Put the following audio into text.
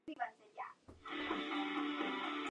La acción se desarrolla en Eleusis.